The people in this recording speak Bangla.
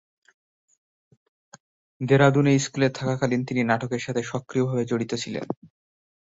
দেরাদুনের স্কুলে থাকাকালীন তিনি নাটকের সাথে সক্রিয়ভাবে জড়িত ছিলেন।